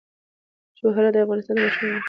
جواهرات د افغان ماشومانو د لوبو موضوع ده.